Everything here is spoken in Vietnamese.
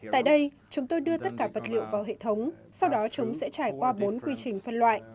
tại đây chúng tôi đưa tất cả vật liệu vào hệ thống sau đó chúng sẽ trải qua bốn quy trình phân loại